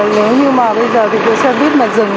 nếu như mà bây giờ dịch vụ xe buýt mà dừng